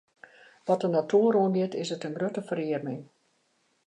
Wat de natoer oangiet, is it in grutte ferearming.